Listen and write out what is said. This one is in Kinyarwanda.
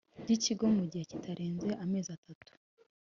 by Ikigo mu gihe kitarenze amezi atatu